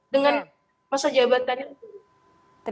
dengan masa jabatannya itu